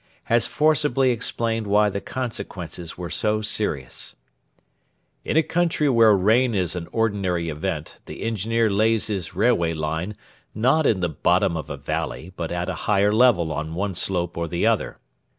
] has forcibly explained why the consequences were so serious: 'In a country where rain is an ordinary event the engineer lays his railway line, not in the bottom of a valley, but at a higher level on one slope or the other.